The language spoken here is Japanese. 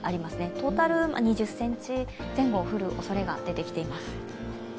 トータル２０ｃｍ前後降るおそれが出てきています。